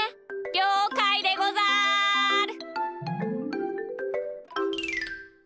りょうかいでござる！